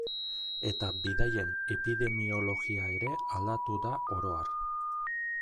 Eta bidaien epidemiologia ere aldatu da oro har.